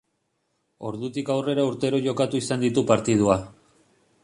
Ordutik aurrera urtero jokatu izan ditu partidua.